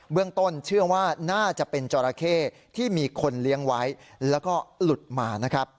เรื่องต้นเชื่อว่าน่าจะเป็นจราเข้ที่มีคนเลี้ยงไว้แล้วก็หลุดมานะครับ